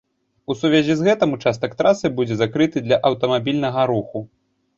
У сувязі з гэтым участак трасы будзе закрыты для аўтамабільнага руху.